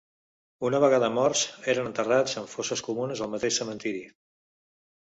Una vegada morts eren enterrats en fosses comunes al mateix cementeri.